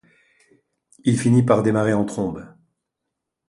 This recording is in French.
Il finit par démarrer en trombe.